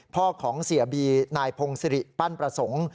พ่อของเสียบีนายพงศิริปั้นประสงค์